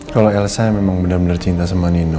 kalo elsa memang bener bener cinta sama nino